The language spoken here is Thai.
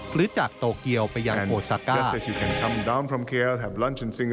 หรือจากโตเกียวไปยังโอซาก้าน